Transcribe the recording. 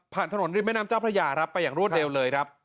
ถนนริมแม่น้ำเจ้าพระยาครับไปอย่างรวดเร็วเลยครับ